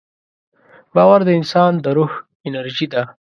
باور د انسان د روح انرژي ده.